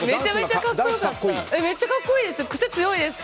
めっちゃ格好いいです！